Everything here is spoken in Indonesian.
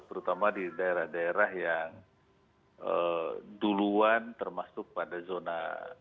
terutama di daerah daerah yang duluan termasuk pada zona